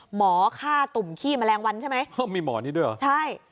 หมอฆ่าตุ่มขี้แมลงวันใช่ไหมเออมีหมอนิดด้วยเหรอใช่